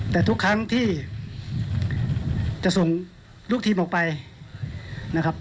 แต่ทุกครั้งที่จะส่งลูกทีมออกไปนะครับ